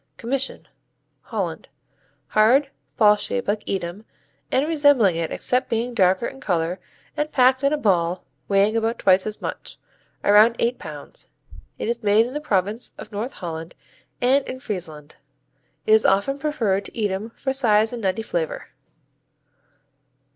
Commission Holland Hard; ball shaped like Edam and resembling it except being darker in color and packed in a ball weighing about twice as much, around eight pounds. It is made in the province of North Holland and in Friesland. It is often preferred to Edam for size and nutty flavor.